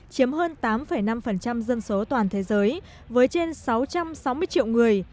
chiếm hơn tám năm dân số toàn thế giới với trên sáu trăm sáu mươi triệu người